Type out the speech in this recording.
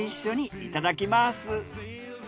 いただきます。